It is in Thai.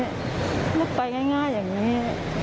จะไปง่ายอย่างนี้